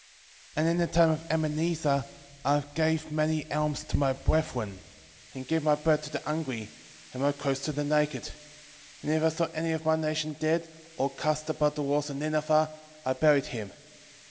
1:16 And in the time of Enemessar I gave many alms to my brethren, and gave my bread to the hungry, 1:17 And my clothes to the naked: and if I saw any of my nation dead, or cast about the walls of Nineve, I buried him.